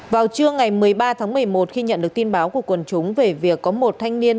vào trưa ngày một mươi ba tháng một mươi một khi nhận được tin báo của quần chúng về việc có một thanh niên